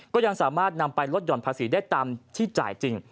ก็ยังสามารถนำไปลดหย่อนภาษีได้ตามที่จ่ายจริง